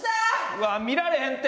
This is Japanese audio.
うわっ見られへんて。